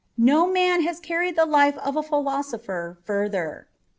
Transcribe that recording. No man has carried the life of a philosopher further.